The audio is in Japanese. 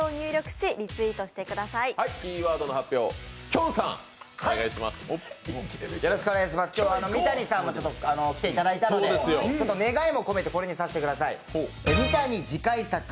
今日は三谷さんも来ていただいたので願いも込めてこれにさせてください。